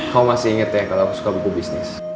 kamu masih inget ya kalau aku suka buku bisnis